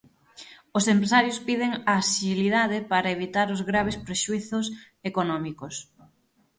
Os empresarios piden axilidade para evitar os graves prexuízos económicos.